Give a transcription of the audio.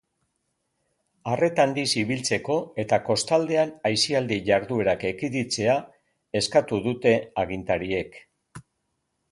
Arreta handiz ibiltzeko eta kostaldean aisialdi jarduerak ekiditzea eskatu dute agintariek.